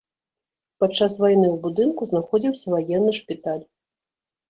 Падчас вайны ў будынку знаходзіўся ваенны шпіталь.